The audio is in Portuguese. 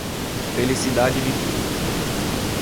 Felicidade dificulta.